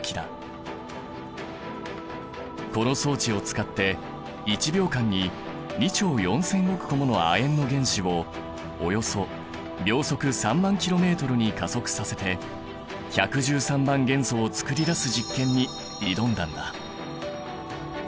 この装置を使って１秒間に２兆４千億個もの亜鉛の原子をおよそ秒速３万ｋｍに加速させて１１３番元素を作り出す実験に挑んだんだ。